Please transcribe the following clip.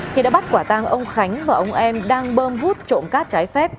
khi đã bắt quả tang ông khánh và ông em đang bơm hút trộm cát trái phép